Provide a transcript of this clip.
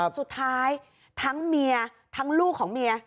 สุดท้ายทั้งเมียทั้งลูกของเมีย